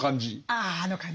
あああの感じ。